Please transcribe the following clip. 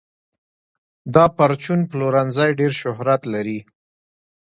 دا پرچون پلورنځی ډېر شهرت لري.